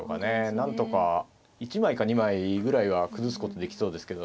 何とか１枚か２枚ぐらいは崩すことできそうですけど。